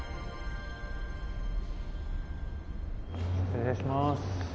失礼します。